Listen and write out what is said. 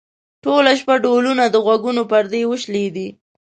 ټوله شپه ډولونه؛ د غوږونو پردې وشلېدې.